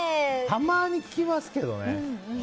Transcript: たまに聞きますけどね。